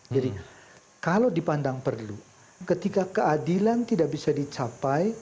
jadi kalau dipandang perlu ketika keadilan tidak bisa dicapai